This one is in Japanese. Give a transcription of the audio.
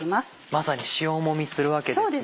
まさに塩もみするわけですね。